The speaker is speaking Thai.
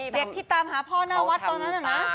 เด็กที่ตามหาพ่อหน้าวัดตอนนั้นน่ะนะ